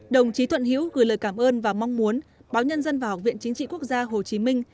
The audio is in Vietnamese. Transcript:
đồng chí thuận hữu gửi lời cảm ơn và mong muốn báo nhân dân và học viện chính trị quốc gia hồ chí minh